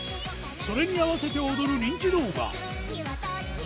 それに合わせて踊る人気動画。